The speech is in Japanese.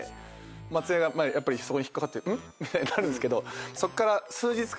松也がやっぱり引っ掛かってんっ？みたいになるんですけどそっから数日間。